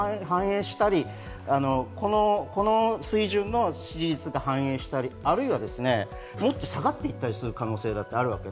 この水準の支持率が反映したり、あるいはもっと下がっていったりする可能性もあるわけで。